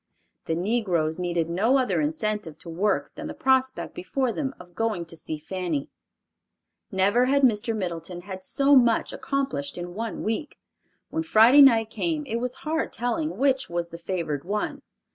The negroes needed no other incentive to work than the prospect before them of going to see Fanny. Never had Mr. Middleton had so much accomplished in one week. When Friday night came, it was hard telling which was the favored one.